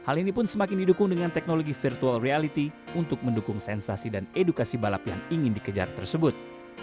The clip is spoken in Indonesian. hal ini pun semakin didukung dengan teknologi virtual reality untuk mendukung sensasi dan edukasi balap yang ingin dikejar tersebut